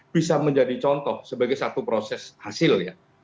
bisa menjadi contoh sebagai satu proses hasil ya